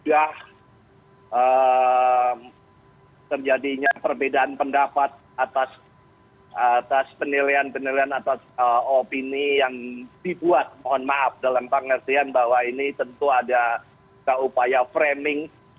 sudah terjadinya perbedaan pendapat atas penilaian penilaian atas opini yang dibuat mohon maaf dalam pengertian bahwa ini tentu ada upaya framing